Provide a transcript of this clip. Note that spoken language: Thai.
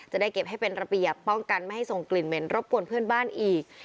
จะได้เก็บให้เป็นระเบียบป้องกันไม่ให้ส่งกลิ่นเหม็นรบกวนเพื่อนบ้านอีก